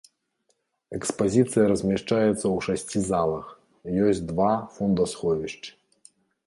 Экспазіцыя размяшчаецца ў шасці залах, ёсць два фондасховішчы.